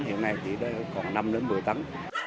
hiện nay chỉ còn năm một mươi tấn